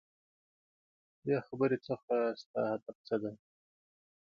ددې خبرې څخه ستا هدف څه دی ؟؟